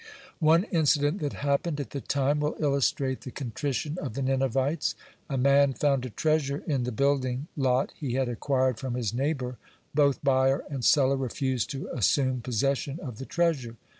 One incident that happened at the time will illustrate the contrition of the Ninevites. A man found a treasure in the building lot he had acquired from his neighbor. Both buyer and seller refused to assume possession of the treasure.